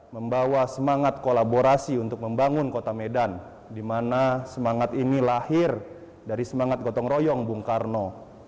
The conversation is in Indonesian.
membawa semangat kolaborasi untuk membangun kota medan di mana semangat ini lahir dari semangat gotong royong bung karno